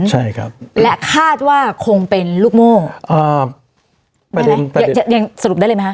ใช่ครับและคาดว่าคงเป็นลูกโม้อ่าประเด็นประเด็นยังสรุปได้เลยไหมฮะ